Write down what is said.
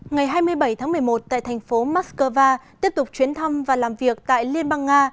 ngày hai mươi bảy tháng một mươi một tại thành phố moscow tiếp tục chuyến thăm và làm việc tại liên bang nga